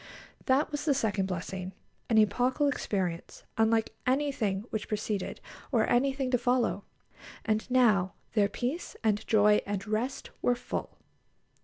That was the second blessing, an epochal experience, unlike anything which preceded, or anything to follow. And now their peace and joy and rest were full.